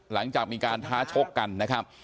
หลังจากมีการท้าชกกันนะครับ